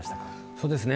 そうですね